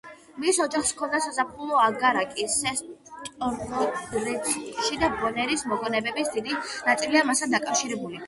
მის ოჯახს ჰქონდა საზაფხულო აგარაკი სესტრორეცკში და ბონერის მოგონებების დიდი ნაწილია მასთან დაკავშირებული.